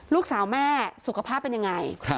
ลูกสาวแม่สุขภาพเป็นยังไง